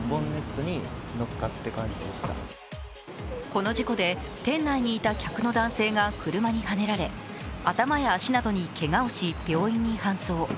この事故で店内にいた客の男性が車にはねられ、頭や脚などにけがをし、病院に搬送。